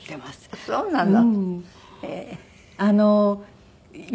あっそうなの。